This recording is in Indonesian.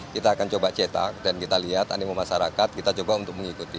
kita akan coba cetak dan kita lihat animum masyarakat kita coba untuk mengikuti